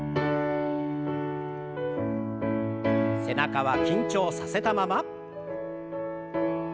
背中は緊張させたまま。